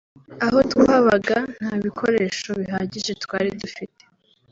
Aho twabaga nta bikoresho bihagije twari dufite